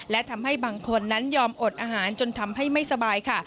และทำให้บางคนนั้นยอมอดอาหารจนทำให้ไม่สบายค่ะ